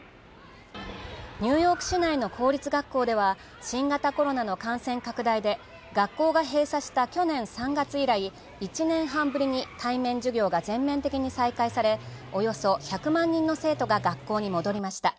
ニューヨーク市内の公立学校では新型コロナの感染拡大で学校が閉鎖した去年３月以来１年半ぶりに対面授業が全面的に再開されおよそ１００万人の生徒が学校に戻りました。